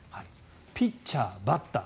ピッチャー、バッター